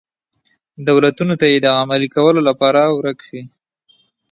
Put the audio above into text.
دولتونو ته یې د عملي کولو لپاره ورک وي.